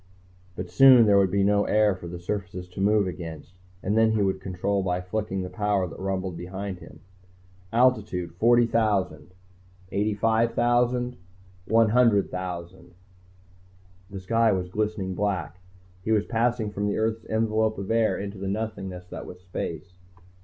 But soon there would be no air for the surfaces to move against, and then he would control by flicking the power that rumbled behind him. "Altitude 40,000 ..."... 85,000 ..."... 100,000...." The sky was glistening black, he was passing from the earth's envelope of air into the nothingness that was space.